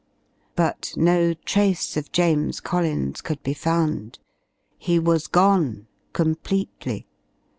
But no trace of James Collins could be found. He was gone completely.